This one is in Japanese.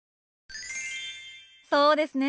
そうですね。